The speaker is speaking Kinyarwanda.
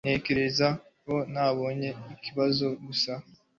Ntekereza ko nabonye ikibazo gusa